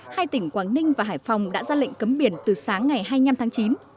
hai tỉnh quảng ninh và hải phòng đã ra lệnh cấm biển từ sáng ngày hai mươi năm tháng chín